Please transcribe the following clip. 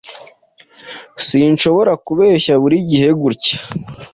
Sinshobora kubeshya burigihe gutya.